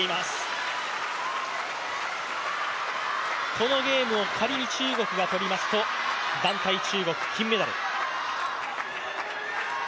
このゲーム、仮に中国が取りますと、団体中国、金メダル。